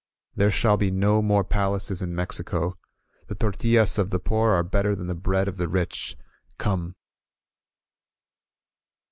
There shall be no more palaces in Mexico. The tortiUas of the poor are better than the bread of the rich. Come!